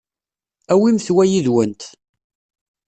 Awimt wa yid-went.